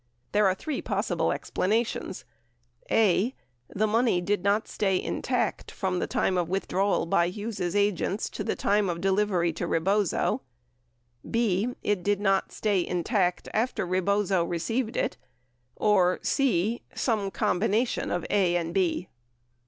There are three possible explanations: (a) The money did not stay intact from time of withdrawal by Hughes' agents to time of delivery to Rebozo ; (b) it did not stay intact after Rebozo received it; or (c) some combination of (a) and (b).